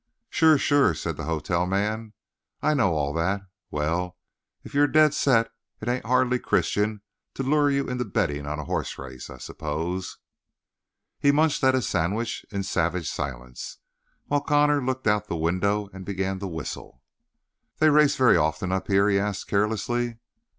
"Sure sure," said the hotel man. "I know all that. Well, if you're dead set it ain't hardly Christian to lure you into betting on a hoss race, I suppose." He munched at his sandwich in savage silence, while Connor looked out the window and began to whistle. "They race very often up here?" he asked carelessly.